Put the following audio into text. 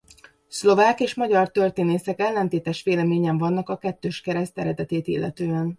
Szlovák és magyar történészek ellentétes véleményen vannak a kettős kereszt eredetét illetően.